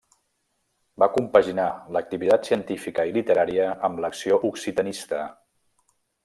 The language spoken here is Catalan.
Va compaginar l'activitat científica i literària amb l’acció occitanista.